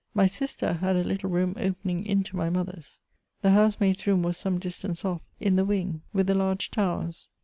My sister had a little room opening into my mother's. The house maid's room was some (Ustance off, in the wing with the large towers.